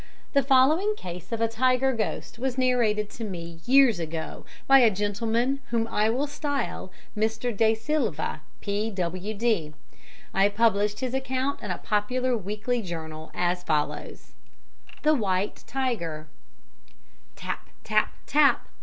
The following case of a tiger ghost was narrated to me years ago by a gentleman whom I will style Mr. De Silva, P.W.D. I published his account in a popular weekly journal, as follows: The White Tiger "Tap! tap! tap.